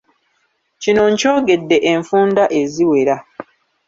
Kino nkyogedde enfunda eziwera